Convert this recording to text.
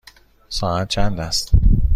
ساعت چند است؟